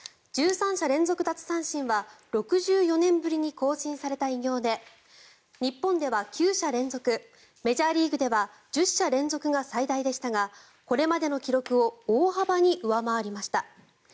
１３者連続奪三振は６４年ぶりに更新された偉業で日本では９者連続メジャーリーグでは１０者連続が最大でしたが、これまでの記録を大幅に上回りました。